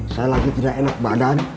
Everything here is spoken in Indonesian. saya lagi tidak enak badan